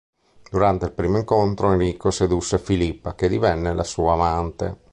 Durante il primo incontro Enrico sedusse Filippa che divenne la sua amante.